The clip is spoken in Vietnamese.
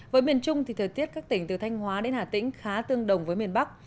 với miền trung thì thời tiết các tỉnh từ thanh hóa đến hà tĩnh khá tương đồng với miền bắc